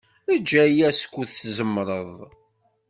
Eg aya skud tzemred.